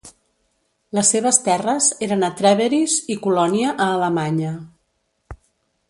Les seves terres eren a Trèveris i Colònia a Alemanya.